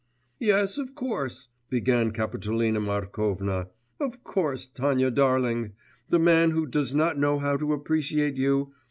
'Yes, of course,' began Kapitolina Markovna, 'of course, Tanya darling, the man who does not know how to appreciate you